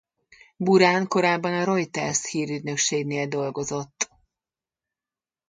Bouran korábban a Reuters hírügynökségnél dolgozott.